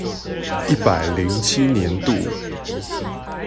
一百零七年度